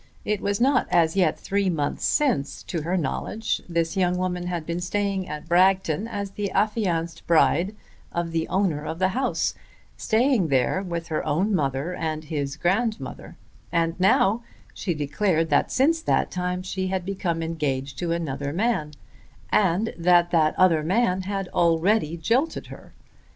It was not as yet three months since, to her knowledge, this young woman had been staying at Bragton as the affianced bride of the owner of the house, staying there with her own mother and his grandmother, and now she declared that since that time she had become engaged to another man and that that other man had already jilted her!